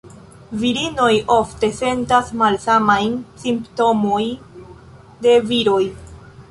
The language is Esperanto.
Virinoj ofte sentas malsamajn simptomoj de viroj.